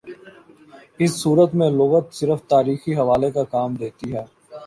اس صورت میں لغت صرف تاریخی حوالے کا کام دیتی ہے۔